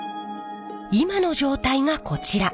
今の状態がこちら。